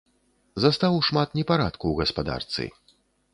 Застаў шмат непарадку ў гаспадарцы.